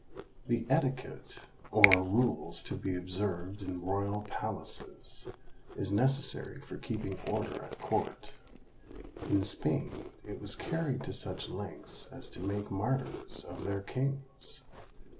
The etiquette, or rules to be observed in royal palaces, is necessary for keeping order at court. In Spain it was carried to such lengths as to make martyrs of their kings.